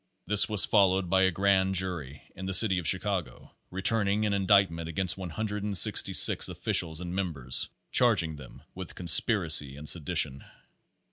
This was followed by a grand jury, in the city of Chicago, returning an indictment against 166 officials and members, charging them with conspiracy and sedi tion.